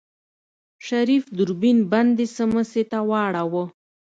شريف دوربين بندې سمڅې ته واړوه.